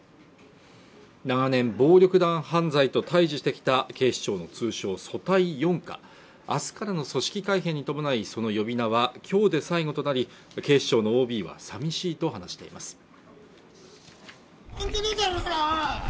長年、暴力団犯罪と対峙してきた警視庁の通称組対四課明日からの組織改編に伴いその呼び名は今日で最後となり警視庁のＯＢは寂しいと話しています